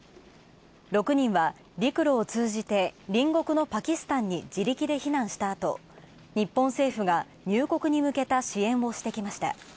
６人は陸路を通じて隣国のパキスタンに自力で避難したあと日本政府が入国に向けた支援をしてきました。